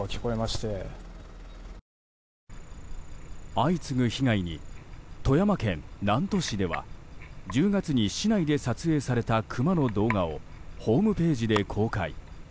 相次ぐ被害に富山県南砺市では１０月に市内で撮影されたクマの動画をホームページで公開。